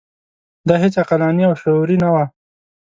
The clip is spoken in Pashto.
دا هیڅ عقلاني او شعوري نه وه.